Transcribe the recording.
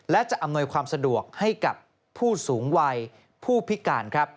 และจะอำนวยความสะดวกให้กับผู้สูงวัยผู้พิการครับ